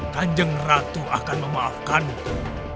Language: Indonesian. kanjeng ratu akan memaafkanmu